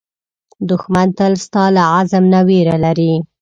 دښمن تل ستا له عزم نه وېره لري